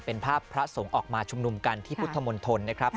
เป็นภาพพระสงฆ์ออกมาชุมนุมกันที่พุทธมณฑลนะครับ